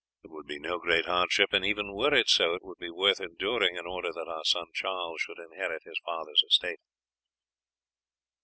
It would be no great hardship, and even were it so it would be worth enduring in order that our son Charles should inherit his father's estate."